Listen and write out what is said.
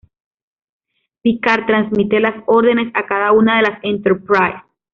Picard transmite las órdenes a cada una de las "Enterprise".